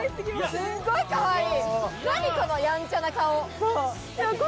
すっごいかわいい。